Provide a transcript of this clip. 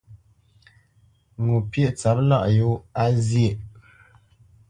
Ŋo pyêʼ tsâp lâʼ yōa zyéʼ.